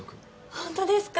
本当ですか？